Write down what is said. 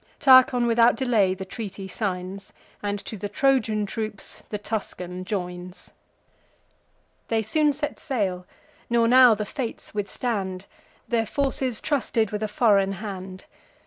Tarchon, without delay, the treaty signs, And to the Trojan troops the Tuscan joins. They soon set sail; nor now the fates withstand; Their forces trusted with a foreign hand.